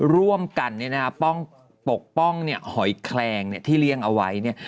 ร่วมกันเนี่ยนะฮะป้องปกป้องเนี่ยหอยแคลงที่เลี้ยงเอาไว้เนี่ย